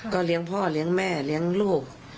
เลี้ยงพ่อเลี้ยงแม่เลี้ยงลูก